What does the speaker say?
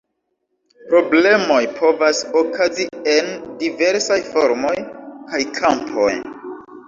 Problemoj povas okazi en diversaj formoj kaj kampoj.